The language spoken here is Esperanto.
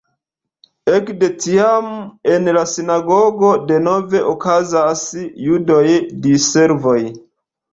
Ekde tiam en la sinagogo denove okazas judaj diservoj.